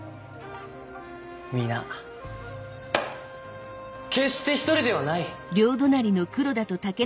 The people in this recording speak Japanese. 皆決して一人ではない！